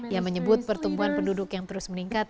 yang menyebut pertumbuhan penduduk yang terus meningkat